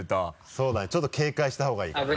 そうだねちょっと警戒した方がいいかもね。